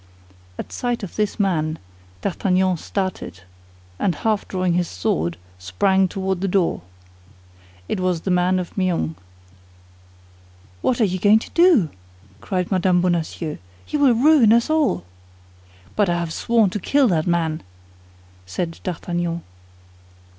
At sight of this man, D'Artagnan started, and half drawing his sword, sprang toward the door. It was the man of Meung. "What are you going to do?" cried Mme. Bonacieux; "you will ruin us all!" "But I have sworn to kill that man!" said D'Artagnan.